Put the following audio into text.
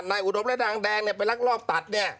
ในอุดมและดางแดงไปรักรอบตัด